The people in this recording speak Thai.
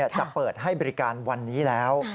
จะเปิดให้บริการวันนี้แล้ว